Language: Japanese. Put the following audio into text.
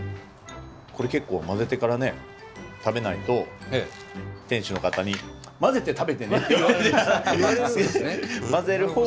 これ結構混ぜてからね食べないと店主の方に「混ぜて食べてね」って言われる。